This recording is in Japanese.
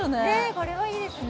これはいいですね